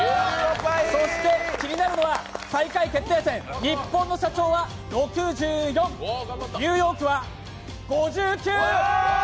そして気になるのは、最下位決定戦ニッポンの社長は６４、ニューヨークは５９。